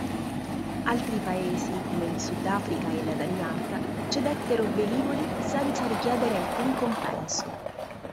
Altri paesi, come il Sudafrica e la Danimarca, cedettero velivoli senza richiedere alcun compenso.